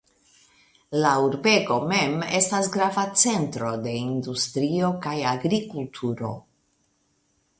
La urbego mem estas grava centro de industrio kaj agrikulturo.